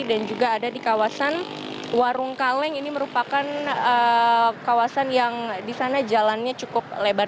dan juga ada di kawasan warung kaleng ini merupakan kawasan yang di sana jalannya cukup lebar